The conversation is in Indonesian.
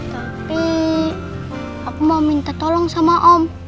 tapi aku mau minta tolong sama om